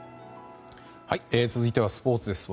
続いてはスポーツです。